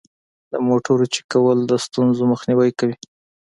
د موټرو چک کول د ستونزو مخنیوی کوي.